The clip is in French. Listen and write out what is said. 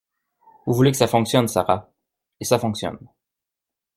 Vous voulez que ça fonctionne, Sara. Et ça fonctionne.